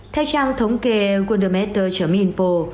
theo trang thống kê wondermatter info